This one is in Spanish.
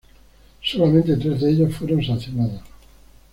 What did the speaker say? Solamente tres de ellos fueron sancionados.